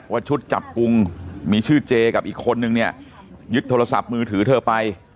ชุดจับกลุ่มมีชื่อเจกับอีกคนนึงเนี่ยยึดโทรศัพท์มือถือเธอไป